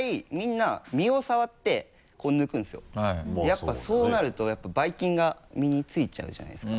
やっぱりそうなるとバイ菌が身についちゃうじゃないですか。